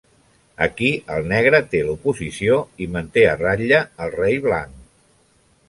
Aquí, el negre té l'oposició, i manté a ratlla el rei blanc.